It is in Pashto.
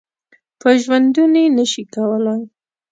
په ژوندوني نه شي کولای .